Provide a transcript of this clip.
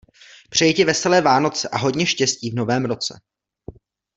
Přeji ti veselé vánoce a hodně štěstí v novém roce.